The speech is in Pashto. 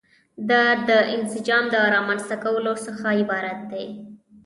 دا د انسجام د رامنځته کولو څخه عبارت دي.